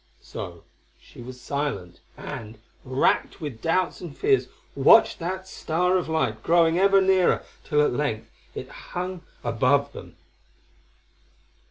So she was silent, and, racked with doubts and fears, watched that star of light growing ever nearer, till at length it hung above them.